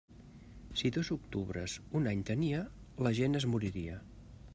Si dos octubres un any tenia, la gent es moriria.